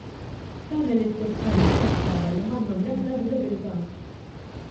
Tagħmel l-istess taħriġ bħal sħabha li m'għandhom l-ebda diżabbilità.